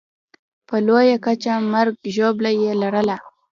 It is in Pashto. په لویه کچه مرګ ژوبله یې لرله.